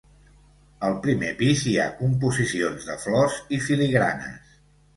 Al primer pis hi ha composicions de flors i filigranes.